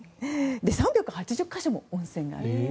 ３８０か所も温泉があると。